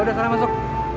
kita sekarang masuk